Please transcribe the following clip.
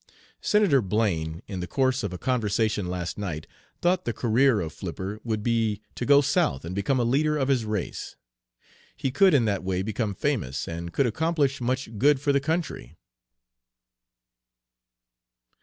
"Senator Blaine, in the course of a conversation last night, thought the career of Flipper would be to go South and become a leader of his race. He could in that way become famous, and could accomplish much good for the country."